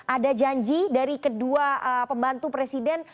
ada janji dari kedua pembantu presiden